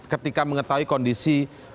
ketika mengetahui kondisi